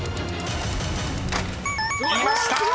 ［いました！